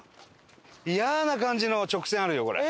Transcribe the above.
イヤな感じの直線あるよこれ。